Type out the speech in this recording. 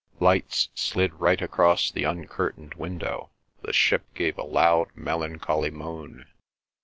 Lights slid right across the uncurtained window. The ship gave a loud melancholy moan.